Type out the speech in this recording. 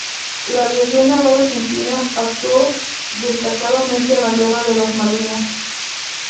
La Aviación Naval argentina actuó destacadamente en la guerra de las Malvinas.